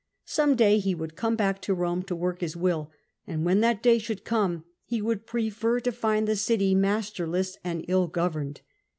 Some day he would come back to Rome to work his will ; and when that day should come, he would prefer to find the city masterless and ill governed.